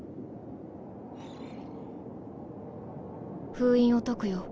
封印を解くよ。